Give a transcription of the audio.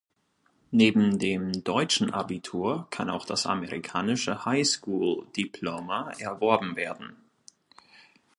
Neben dem deutschen Abitur, kann auch das amerikanische High School Diploma erworben werden.